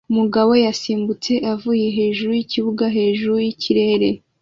Umugabo yasimbutse avuye hejuru yikibuga hejuru yikirere